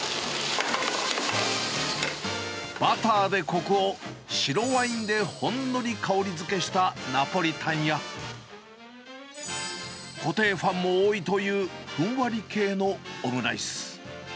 バターでこくを、白ワインでほんのり香りづけしたナポリタンや、固定ファンも多いというふんわり系のオムライス。